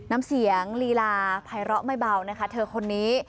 น้ำเสียงลีลาภัยเลาะไม่เบานะคะเธอคนนี้